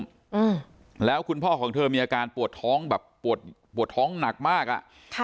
อืมแล้วคุณพ่อของเธอมีอาการปวดท้องแบบปวดปวดท้องหนักมากอ่ะค่ะ